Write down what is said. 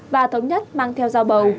và thống nhất mang theo dao bầu